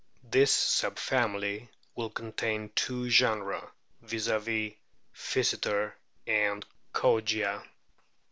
This sub family will contain two genera, viz., Physeter and Kogia.